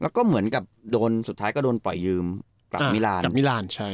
แล้วก็เหมือนกับสุดท้ายก็โดนปล่อยยืมกลับมิรานด์